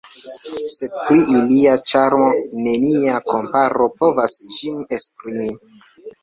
Sed pri ilia ĉarmo, nenia komparo povas ĝin esprimi.